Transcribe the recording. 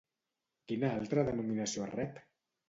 Quina altra denominació rep?